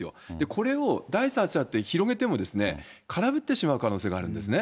これを第三者って広めてもからぶってしまう可能性があるんですね。